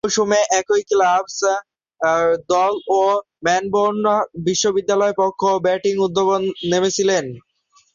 ঐ মৌসুমে একই ক্লাব দল ও মেলবোর্ন বিশ্ববিদ্যালয়ের পক্ষেও ব্যাটিং উদ্বোধনে নেমেছিলেন।